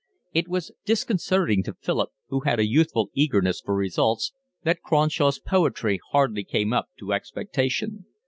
It was disconcerting to Philip, who had a youthful eagerness for results, that Cronshaw's poetry hardly came up to expectation.